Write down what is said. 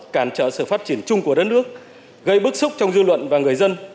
cản trở sự phát triển chung của đất nước gây bức xúc trong dư luận và người dân